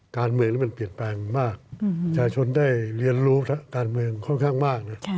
การเมืองนี้มันเปลี่ยนแปลงมากประชาชนได้เรียนรู้การเมืองค่อนข้างมากนะ